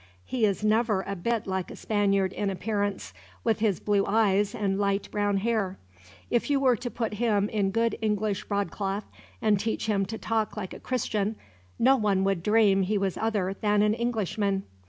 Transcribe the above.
He is never a bit like a Spaniard in appearance, with his blue eyes and light brown hair. If you were to put him in good English broadcloth, and teach him to talk like a Christian, no one would dream he was other than an Englishman.